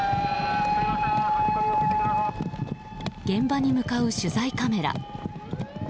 現場に向かう取材カメラ。